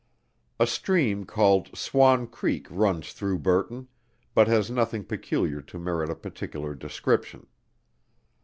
A stream called Swan Creek runs through Burton, but has nothing peculiar to merit a particular description.